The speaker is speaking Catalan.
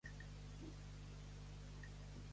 Què s'atura a observar Isabel?